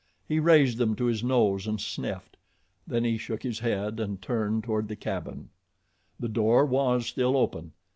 He raised them to his nose and sniffed. Then he shook his head and turned toward the cabin. The door was still open.